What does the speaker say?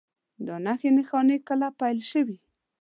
دا نښې نښانې کله پیل شوي؟